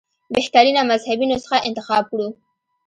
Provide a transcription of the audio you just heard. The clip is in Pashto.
بهترینه مذهبي نسخه انتخاب کړو.